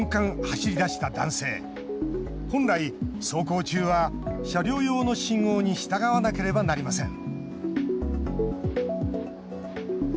本来走行中は車両用の信号に従わなければなりません。